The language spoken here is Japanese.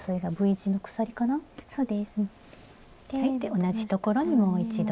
同じところにもう一度。